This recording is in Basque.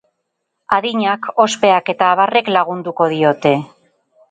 Adinak, ospeak eta abarrek lagunduko diote.